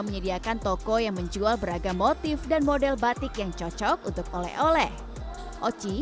menyediakan toko yang menjual beragam motif dan model batik yang cocok untuk oleh oleh oci